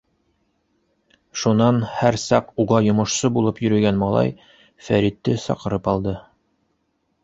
Шунан һәр саҡ уға йомошсо булып йөрөгән малай Фәритте саҡырып алды.